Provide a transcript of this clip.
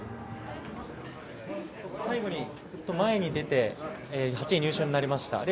最後に前に出て８位入賞となりました。